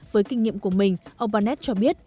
với kinh nghiệm của mình ông barnett cho biết